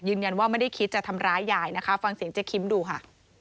ยืนยันว่าไม่ได้คิดจะทำร้ายยายฟังเสียงเจ๊คิมดูค่ะ